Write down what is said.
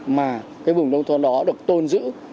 mà cái vùng nông thôn đó được tôn giữ